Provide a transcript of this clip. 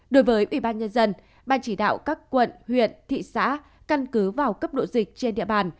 đối với ubnd ban chỉ đạo các quận huyện thị xã căn cứ vào cấp độ dịch trên địa bàn